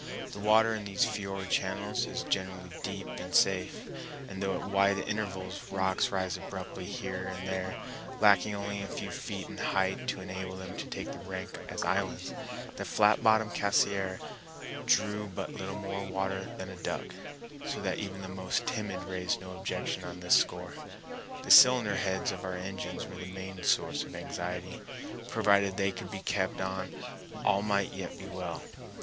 The water in these fiord channels is generally deep and safe, and though at wide intervals rocks rise abruptly here and there, lacking only a few feet in height to enable them to take rank as islands, the flat bottomed Cassiar drew but little more water than a duck, so that even the most timid raised no objection on this score. The cylinder heads of our engines were the main source of anxiety; provided they could be kept on all might yet be well.